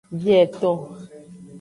Bieton.